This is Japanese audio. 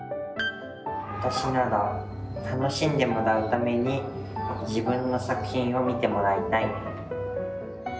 わたしなら楽しんでもらうために自分の作品を見てもらいたい。